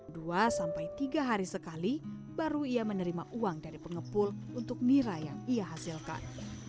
dua sampai tiga hari sekali baru ia menerima uang dari pengepul untuk nira yang ia hasilkan